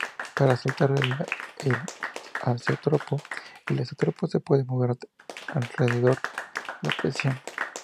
Para "saltar" el azeótropo, el azeótropo se puede mover alterando la presión.